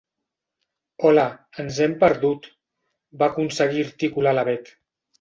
Hola, ens hem perdut —va aconseguir articular la Bet.